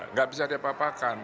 nggak bisa diapapakan